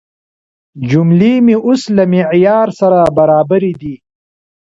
جملې مې اوس له معیار سره برابرې دي.